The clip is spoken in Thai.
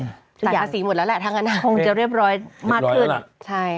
ต่างประสิทธิ์หมดแล้วแหละทางคำถาม